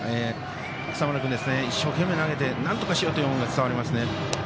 今朝丸君、一生懸命投げてなんとかしようという思いが伝わってきますね。